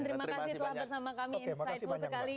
terima kasih telah bersama kami insightful sekali